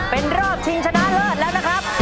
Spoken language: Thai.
เป็นรอบชิงชนะเลิศแล้วนะครับ